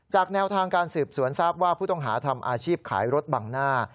แนวทางการสืบสวนทราบว่าผู้ต้องหาทำอาชีพขายรถบังหน้า